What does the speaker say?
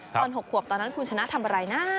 ๖ขวบตอนนั้นคุณชนะทำอะไรนะ